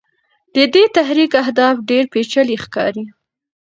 د دې تحریک اهداف ډېر پېچلي ښکاري.